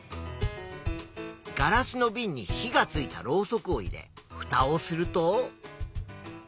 ガラスのビンに火がついたろうそくを入れフタをすると。